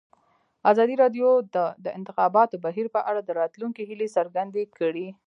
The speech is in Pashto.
ازادي راډیو د د انتخاباتو بهیر په اړه د راتلونکي هیلې څرګندې کړې.